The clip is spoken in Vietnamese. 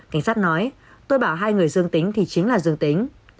cảnh sát nói tôi bảo hai người dương tính thì chính là dương tính